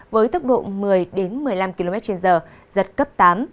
với tốc độ một mươi một mươi năm kmh giật cấp tám